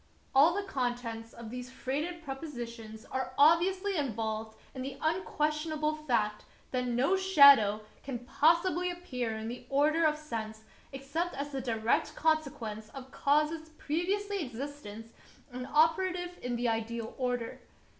All the contents of these freighted propositions are obviously involved in the unquestionable fact that no shadow can possibly appear in the order of sense except as the direct consequence of causes previously existent and operative in the ideal order.